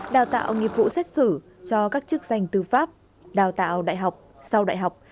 đào tạo nghiệp vụ xét xử cho các chức danh tư pháp đào tạo đại học sau đại học